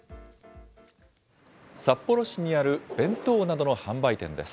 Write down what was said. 札幌市にある弁当などの販売店です。